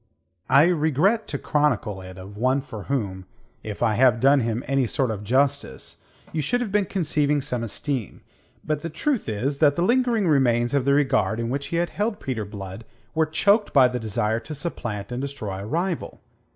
I regret to chronicle it of one for whom if I have done him any sort of justice you should have been conceiving some esteem. But the truth is that the lingering remains of the regard in which he had held Peter Blood were choked by the desire to supplant and destroy a rival.